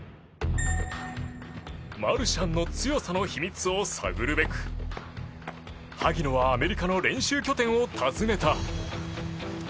マルシャンの強さの秘密を探るべく萩野はアメリカの練習拠点を訪ねた。